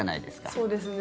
そうですね。